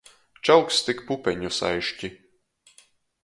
Čaukst tik pupeņu saiški.